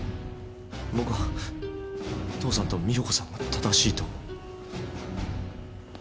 僕は父さんと美保子さんが正しいと思う。